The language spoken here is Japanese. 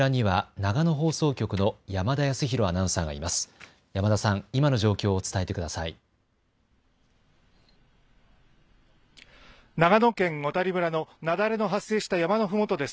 長野県小谷村の雪崩の発生した山のふもとです。